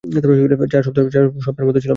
চার সপ্তাহের মতো ছিলাম সেখানে।